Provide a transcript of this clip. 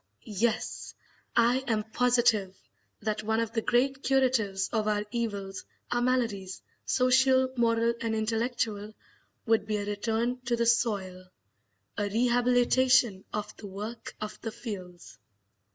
Yes, I am Positive that one of the great curatives of our evils, our maladies, social, moral, and intellectual, would be a return to the soil, a rehabilitation of the work of the fields."